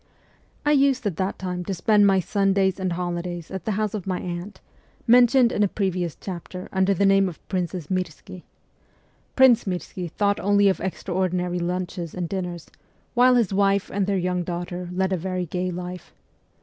I used at that time to spend my Sundays and holi days at the house of my aunt, mentioned in a previous chapter under the name of Princess Mirski. Prince Mirski thought only of extraordinary lunches and dinners, while his wife and their young daughter led a very gay life.